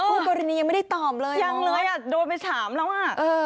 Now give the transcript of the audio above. คู่กรณียังไม่ได้ตอบเลยยังเลยอ่ะโดนไปถามแล้วอ่ะเออ